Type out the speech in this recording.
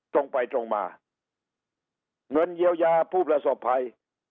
ตรงไปตรงมาเงินเยียวยาผู้ประสบภัย